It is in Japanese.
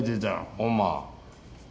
ほんま。